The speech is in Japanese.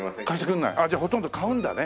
じゃあほとんど買うんだね。